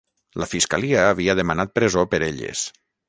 La fiscalia havia demanat presó per elles.